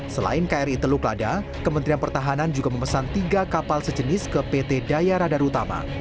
selain kri teluk lada kementerian pertahanan juga memesan tiga kapal sejenis ke pt daya radar utama